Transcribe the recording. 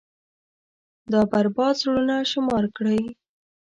دا بـربـاد زړونه شمار كړئ.